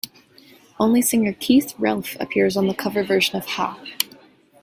Only singer Keith Relf appears on the cover version of Ha!